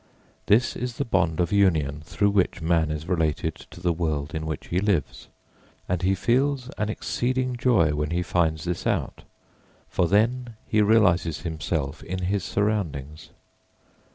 This is the bond of union through which man is related to the world in which he lives, and he feels an exceeding joy when he finds this out, for then he realises himself in his surroundings.